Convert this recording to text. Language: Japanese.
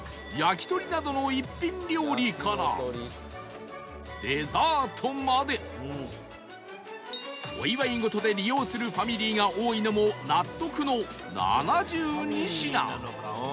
焼鳥などの一品料理からデザートまでお祝い事で利用するファミリーが多いのも納得の７２品